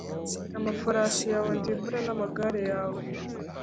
amafarashi yawe ndimbure n amagare yawe